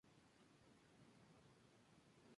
No se sabe mucho de su vida antes de su papado.